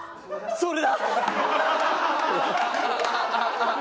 それだ。